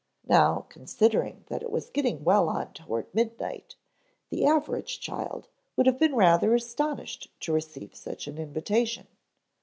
Now, considering that it was getting well on toward midnight, the average child would have been rather astonished to receive such an invitation.